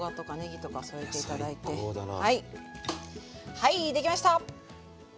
はい出来ました！